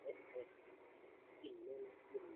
kulevya na wengine laki nne wanakufa kila